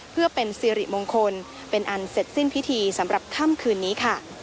เพื่อเป็นสิริมงคลเป็นอันเสร็จสิ้นพิธีสำหรับค่ำคืนนี้ค่ะ